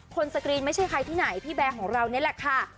สกรีนไม่ใช่ใครที่ไหนพี่แบร์ของเรานี่แหละค่ะ